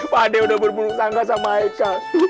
pak ade udah buruk sangat sama haikal